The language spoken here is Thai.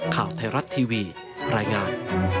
ข่าวไทยรัฐทีวีรายงาน